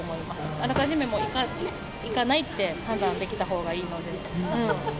あらかじめ、行かないって判断できたほうがいいので。